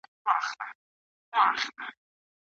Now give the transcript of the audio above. ښه سړی تل ښېګڼه کوي.